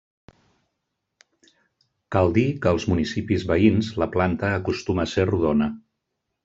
Cal dir que als municipis veïns la planta acostuma a ser rodona.